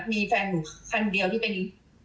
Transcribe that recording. มีแฟนหนูคันเดียวที่เป็น